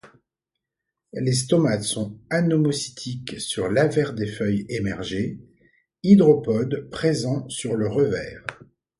Les stomates sont anomocytiques sur l'avers des feuilles émergées, hydropotes présents sur le revers.